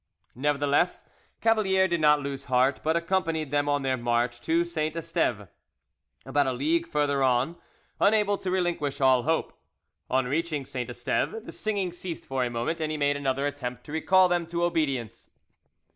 Nevertheless, Cavalier did not lose heart, but accompanied them on their march to Saint Esteve, about a league farther on, unable to relinquish all hope. On reaching Saint Esteve the singing ceased for a moment, and he made another attempt to recall them to obedience.